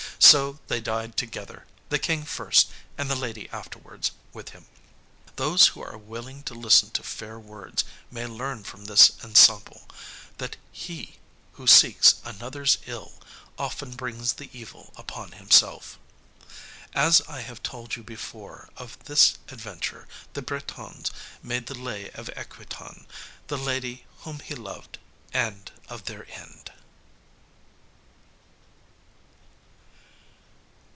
So they died together, the King first, and the lady afterwards, with him. Those who are willing to listen to fair words, may learn from this ensample, that he who seeks another's ill often brings the evil upon himself. As I have told you before, of this adventure the Bretons made the Lay of Equitan, the lady whom he loved, and of their end.